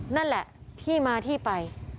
นั่นแหละที่มาที่ไป